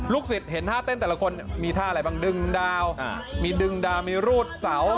ศิษย์เห็นท่าเต้นแต่ละคนมีท่าอะไรบ้างดึงดาวมีดึงดาวมีรูดเสา